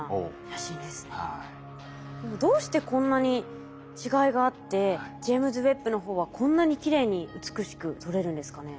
どうしてこんなに違いがあってジェイムズ・ウェッブの方はこんなにきれいに美しく撮れるんですかね？